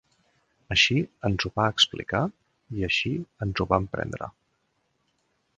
Així ens ho va explicar i així ens ho vam prendre.